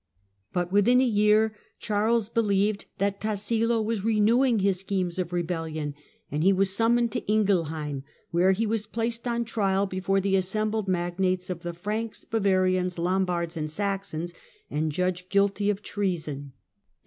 But within a year Charles believed that Tassilo was renewing his schemes of rebellion, and he was summoned to Ingelheim, where he was placed on trial before the assembled magnates of the " Franks, Bavarians, Lom bards and Saxons," and adjudged guilty of treason, the CHARLES, KING OF THE FRANKS.